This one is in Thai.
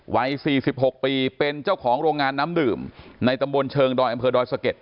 วัย๔๖ปีเป็นเจ้าของโรงงานน้ำดื่มในตำบลเชิงดอยอำเภอดอยสะเก็ด